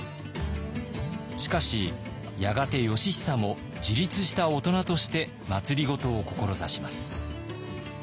しかしやがて義尚も自立した大人として政を志します。